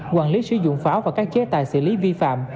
quản lý sử dụng pháo và các chế tài xử lý vi phạm